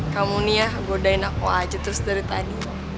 kamu nih ya godain aku aja terus dari tadi